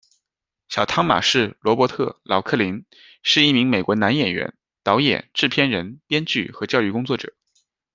小汤玛士·罗伯特·劳克林，是一名美国男演员、导演、制片人、编剧和教育工作者。